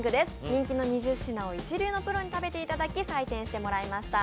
人気の２０品を一流のプロに食べていただき採点していただきました。